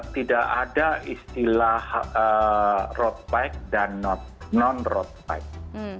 tidak ada istilah road bike dan non road bike